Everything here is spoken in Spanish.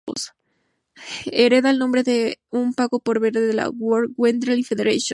Hereda el nombre de un pago-por-ver de la World Wrestling Federation.